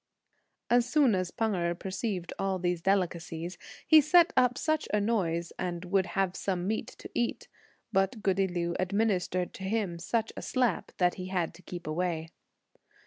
As soon as Pan Erh perceived (all these delicacies), he set up such a noise, and would have some meat to eat, but goody Liu administered to him such a slap, that he had to keep away.